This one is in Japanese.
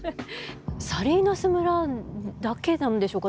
サリーナス村だけなんでしょうか？